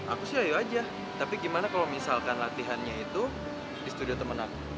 aku sih ayo aja tapi gimana kalau misalkan latihannya itu di studio temen aku